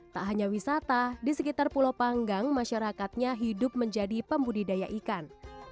tak hanya wisata di sekitar pulau panggang masyarakatnya hidup menjadi pembudidaya ikan